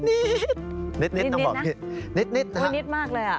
นิดน้องบอกพี่นิดนะครับว่านิดมากเลย